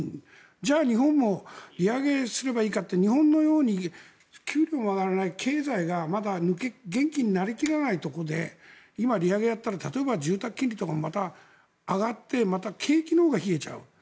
じゃあ日本も利上げすればいいかって日本のように給料が上がらない経済がまだ元気になり切らないところで今、利上げをやったら例えば住宅金利とかまた上がってまた景気のほうが冷えちゃう。